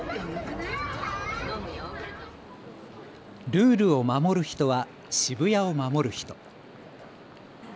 ルールを守る人は渋谷を守る人。